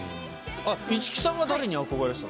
市來さんは誰に憧れてた？